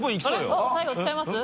あっ最後使います？